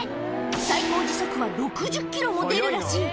最高時速は６０キロも出るらしい。